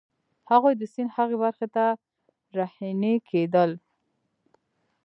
هغوی د سیند هغې برخې ته رهنيي کېدل.